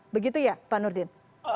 begitu ya pak nurdin